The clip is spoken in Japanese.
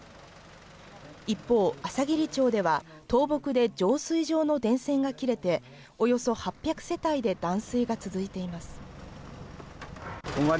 一方、あさぎり町では倒木で浄水場の電線が切れて、およそ８００世帯で断水が続いています。